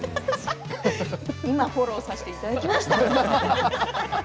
今、フォローさせていただきました。